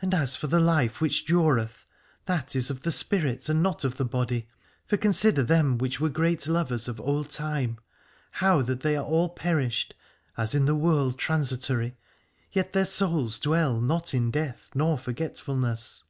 And as for the life which dureth, that is of the spirit and not of the body: for consider them which were great lovers of old time, how that they all are perished, as in the world transitory, yet their souls dwell not in death nor forgetfulness.